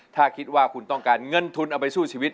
ถ้าคิดว่าคุณต้องการเงินทุนเอาไปสู้ชีวิต